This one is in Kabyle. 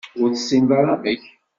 Ur tessineḍ ara amek?